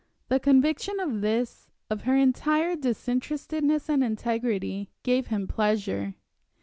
The conviction of this, of her entire disinterestedness and integrity, gave him pleasure.